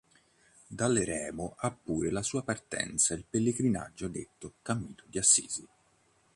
Dall'eremo ha pure la sua partenza il pellegrinaggio detto "Cammino di Assisi".